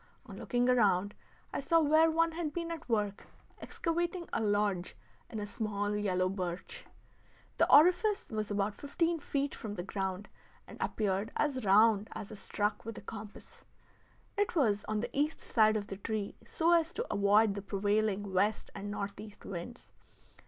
On looking around I saw where one had been at work excavating a lodge in a small yellow birch. The orifice was about fifteen feet from the ground, and appeared as round as if struck with a compass. It was on the east side of the tree, so as to avoid the prevailing west and northeast winds.